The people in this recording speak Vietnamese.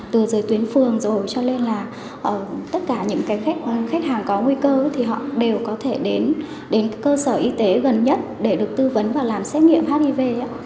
từ giới tuyến phường rồi cho nên là tất cả những khách hàng có nguy cơ thì họ đều có thể đến cơ sở y tế gần nhất để được tư vấn và làm xét nghiệm hiv ạ